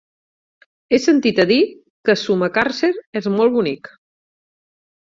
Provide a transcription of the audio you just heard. He sentit a dir que Sumacàrcer és molt bonic.